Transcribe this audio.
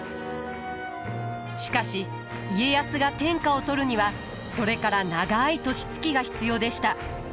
しかし家康が天下を取るにはそれから長い年月が必要でした。